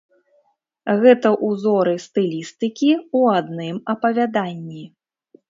Гэта ўзоры стылістыкі ў адным апавяданні.